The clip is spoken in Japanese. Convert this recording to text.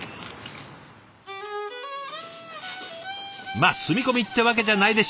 まっ住み込みってわけじゃないですしね。